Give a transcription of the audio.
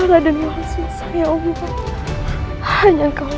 tidak perlu tahu siapa aku